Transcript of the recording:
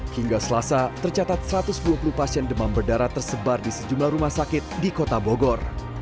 hingga selasa tercatat satu ratus dua puluh pasien demam berdarah tersebar di sejumlah rumah sakit di kota bogor